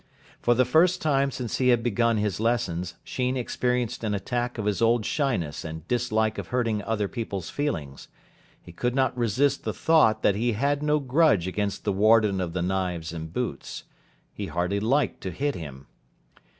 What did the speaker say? For the first time since he had begun his lessons, Sheen experienced an attack of his old shyness and dislike of hurting other people's feelings. He could not resist the thought that he had no grudge against the warden of the knives and boots. He hardly liked to hit him.